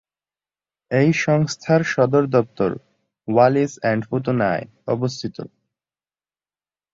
এই সংস্থার সদর দপ্তর ওয়ালিস অ্যান্ড ফুতুনায় অবস্থিত।